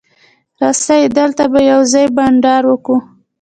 راسئ! دلته به یوځای بانډار وکو.